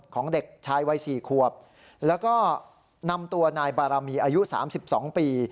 ของเด็กชายวัยสี่ควบแล้วก็นำตัวนายบารามีอายุสามสิบสองปี